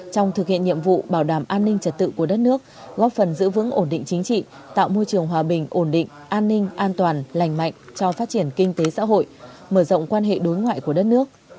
trong thực hiện nhiệm vụ bảo đảm an ninh trật tự của đất nước góp phần giữ vững ổn định chính trị tạo môi trường hòa bình ổn định an ninh an toàn lành mạnh cho phát triển kinh tế xã hội mở rộng quan hệ đối ngoại của đất nước